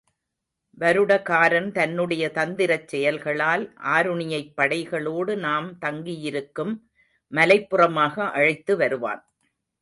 வருடகாரன் தன்னுடைய தந்திரச் செயல்களால் ஆருணியைப் படைகளோடு நாம் தங்கியிருக்கும் மலைப்புறமாக அழைத்து வருவான்.